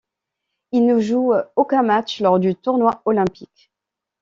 Il ne joue aucun match lors du tournoi olympique.